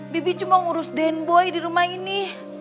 bibi cuma ngurus din boy di rumah ini